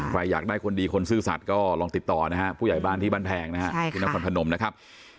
ใครอยากได้คนดีคนซื่อสัตย์ก็ลองติดต่อนะครับผู้ใหญ่บ้านที่บ้านแพงนะครับ